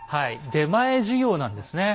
「出前授業」なんですね。